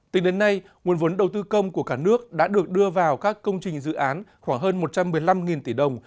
tính đến nay nguồn vốn đầu tư công của cả nước đã được đưa vào các công trình dự án khoảng hơn một trăm một mươi năm tỷ đồng